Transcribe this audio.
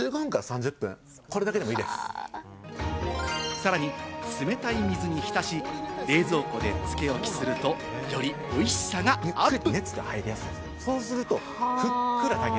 さらに、冷たい水に浸し、冷蔵庫で漬け置きすると、より美味しさがアップ。